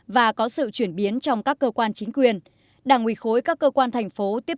và có sự chuyển biến trong các cơ quan chính quyền đảng ủy khối các cơ quan thành phố tiếp